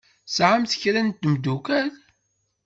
Tesɛamt kra n temddukal?